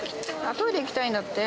トイレ行きたいんだって。